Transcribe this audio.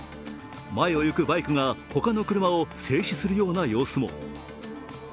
前を行くバイクが他の車を制止するような様子も。